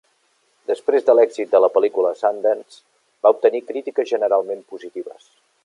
Després de l'èxit de la pel·lícula a Sundance, va obtenir crítiques generalment positives.